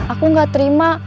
aku gak terima